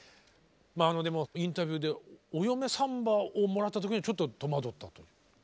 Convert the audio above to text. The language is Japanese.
まあでもインタビューで「お嫁サンバ」をもらった時にはちょっと戸惑ったと。